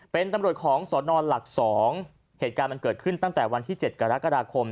เป็นตำรวจของสอนอนหลัก๒เหตุการณ์มันเกิดขึ้นตั้งแต่วันที่๗กรกฎาคม